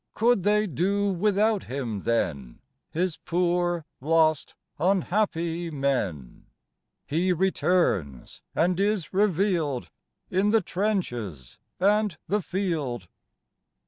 Could they do without Him then His poor lost unhappy men ? He returns and is revealed In the trenches and the field.